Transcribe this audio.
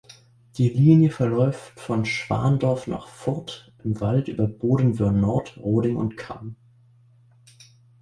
Die Linie verläuft von Schwandorf nach Furth im Wald über Bodenwöhr-Nord, Roding und Cham.